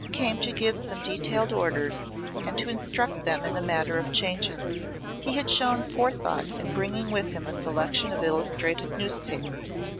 He came to give some detailed orders and to instruct them in the matter of changes. He had shown forethought in bringing with him a selection of illustrated newspapers.